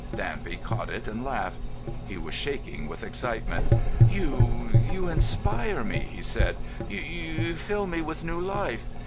Danby caught it, and laughed. He was shaking with excitement. "You—you inspire me," he said. "You—fill me with new life.